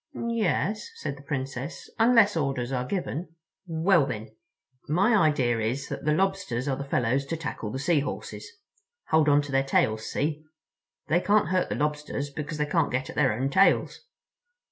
"Yes," said the Princess, "unless orders are given." "Well, then—my idea is that the Lobsters are the fellows to tackle the Sea Horses. Hold on to their tails, see? They can't hurt the Lobsters because they can't get at their own tails."